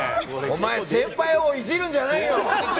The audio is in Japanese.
お前、先輩をイジるんじゃねえよ！